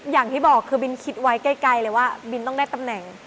อย่างที่บอกคือบินคิดไว้ใกล้เลยว่าบินต้องได้ตำแหน่ง